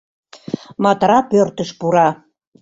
Матра пӧртыш пура.